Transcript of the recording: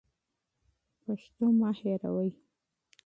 پښتو مه هېروئ.